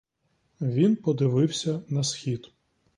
Він подивився на схід.